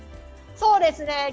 そうですね。